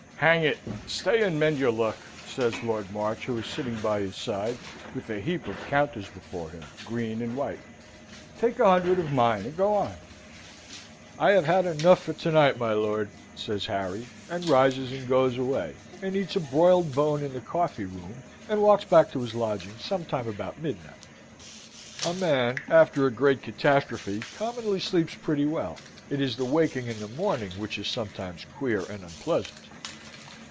"Hang it! stay and mend your luck!" says Lord March, who is sitting by his side with a heap of counters before him, green and white. "Take a hundred of mine, and go on!" "I have had enough for to night, my lord," says Harry, and rises and goes away, and eats a broiled bone in the coffee room, and walks back to his lodgings some time about midnight. A man after a great catastrophe commonly sleeps pretty well. It is the waking in the morning which is sometimes queer and unpleasant.